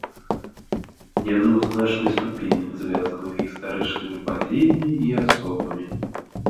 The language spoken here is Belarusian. Яны ў значнай ступені звязаны з гістарычнымі падзеямі і асобамі.